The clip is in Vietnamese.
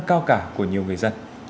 cao cả của nhiều người dân